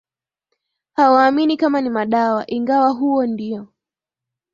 hawaamini kama ni madawa ingawa huo ndio